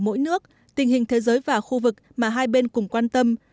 mỗi nước tình hình thế giới và khu vực mà hai bên cùng quan tâm